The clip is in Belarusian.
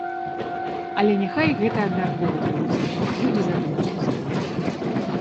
Але няхай гэта абмяркоўваецца, людзі задумаюцца.